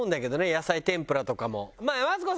野菜天ぷらとかも。